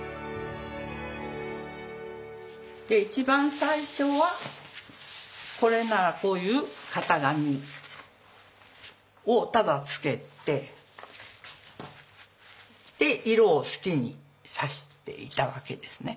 一番最初はこれならこういう型紙をただつけて色を好きに挿していたわけですね。